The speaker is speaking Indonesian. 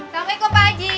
assalamualaikum pak haji